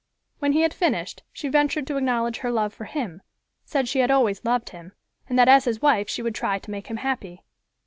When he had finished, she ventured to acknowledge her love for him; said she had always loved him, and that as his wife she would try to make him happy.